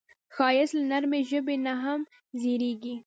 ښایست له نرمې ژبې نه هم زېږي